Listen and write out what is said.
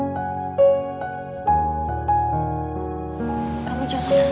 kamu jangan nangis